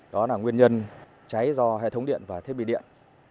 đó là nguyên nhân cháy do hệ thống điện và thiết bị điện